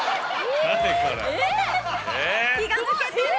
気が抜けてる！